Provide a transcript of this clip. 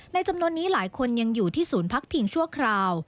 จำนวนนี้หลายคนยังอยู่ที่ศูนย์พักพิงชั่วคราว